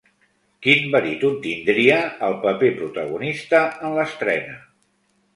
Quin baríton tindria el paper protagonista en l'estrena?